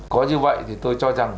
có như vậy thì tôi cho rằng